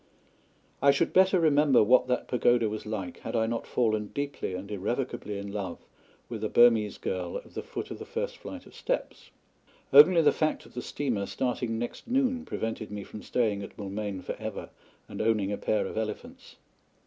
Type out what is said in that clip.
I should better remember what that pagoda was like had I not fallen deeply and irrevocably in love with a Burmese girl at the foot of the first flight of steps. Only the fact of the steamer starting next noon prevented me from staying at Moulmein forever and owning a pair of elephants.